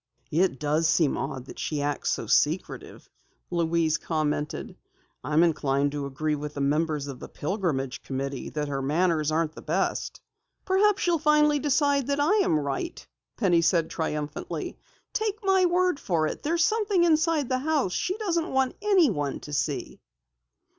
"It does seem odd that she acts so secretive," Louise commented. "I'm inclined to agree with members of the Pilgrimage Committee that her manners aren't the best." "Perhaps you'll finally decide that I am right!" Penny said triumphantly. "Take my word for it, there's something inside the house she doesn't want anyone to see!"